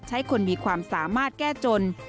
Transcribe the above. ใช้คนมีความสามารถแก้จน